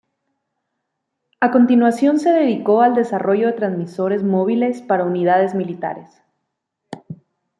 A continuación se dedicó al desarrollo de transmisores móviles para unidades militares.